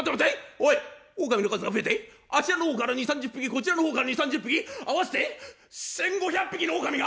おい狼の数が増えてあちらの方から２０３０匹こちらの方から２０３０匹合わせて１，５００匹の狼が！